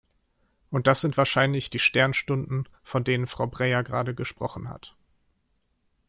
Und das sind wahrscheinlich die Sternstunden, von denen Frau Breyer gerade gesprochen hat.